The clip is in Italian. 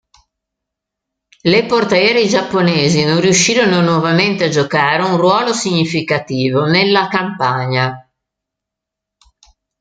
Le portaerei giapponesi non riuscirono nuovamente a giocare un ruolo significativo nella campagna.